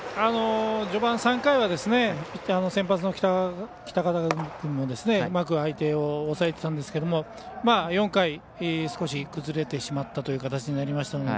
序盤３回は先発の北方君もうまく相手を抑えてたんですけど４回、少し崩れてしまったという形になりましたので